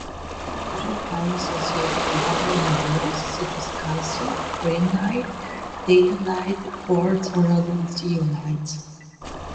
It is usually found associated with other minerals such as: calcite, prehnite, datolite, quartz or other zeolites.